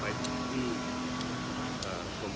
เข้าประสวงจะเข้าบางเรื่อง